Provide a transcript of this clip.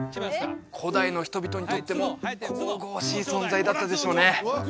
古代の人々にとっても神々しい存在だったでしょうね